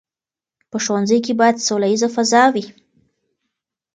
په ښوونځي کې باید سوله ییزه فضا وي.